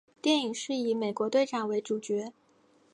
电影是以美国队长为主角。